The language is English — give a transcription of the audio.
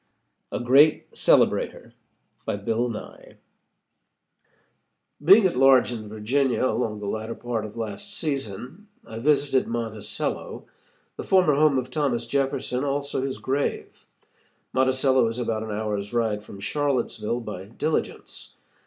A GREAT CELEBRATOR BY BILL NYE Being at large in Virginia, along in the latter part of last season, I visited Monticello, the former home of Thomas Jefferson, also his grave. Monticello is about an hour's ride from Charlottesville, by diligence.